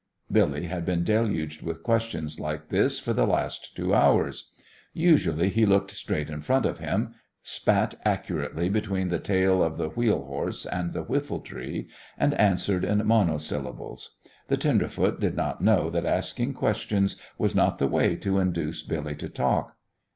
Billy had been deluged with questions like this for the last two hours. Usually he looked straight in front of him, spat accurately between the tail of the wheel horse and the whiffle tree, and answered in monosyllables. The tenderfoot did not know that asking questions was not the way to induce Billy to talk.